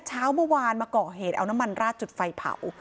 เช้าเมื่อวานมาก่อเหตุเอาน้ำมันราดจุดไฟเผา